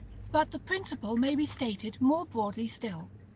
But the principle may be stated more broadly still.